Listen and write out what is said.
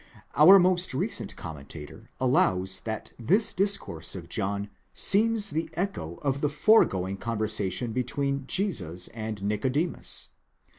Our most recent commentator 19 allows that this discourse of John seems the echo of the foregoing con versation between Jesus and Nicodemus."